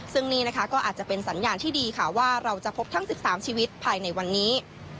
ซึ่งนี่นะคะก็อาจจะเป็นสัญญาณที่ดีค่ะว่าเราจะพบทั้ง๑๓ชีวิตภายในวันนี้